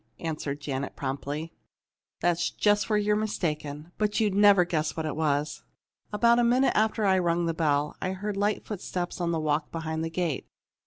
answered Janet, promptly. "That's just where you're mistaken; but you'd never guess what it was. About a minute after I'd rung the bell, I heard light footsteps on the walk behind the gate.